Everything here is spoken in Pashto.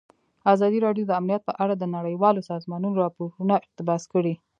ازادي راډیو د امنیت په اړه د نړیوالو سازمانونو راپورونه اقتباس کړي.